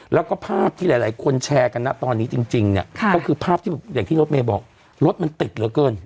แล้วก็ภาพที่หลายคนแชร์กันนะตอนนี้จริงเนี่ยก็คือภาพที่อย่างที่รถเมย์บอกรถมันติดเหลือเกิน